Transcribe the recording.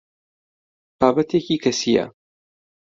بابەتێکی کەسییە.